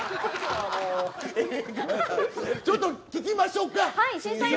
ちょっと聞きましょうか。